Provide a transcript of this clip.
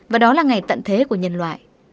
và đó là ngày tận thế của nhân loại